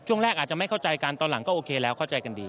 ช่วงแรกอาจจะไม่เข้าใจกันตอนหลังก็โอเคแล้วเข้าใจกันดี